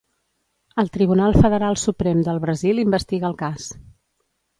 El Tribunal Federal Suprem del Brasil investiga el cas.